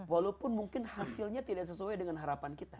walaupun mungkin hasilnya tidak sesuai dengan harapan kita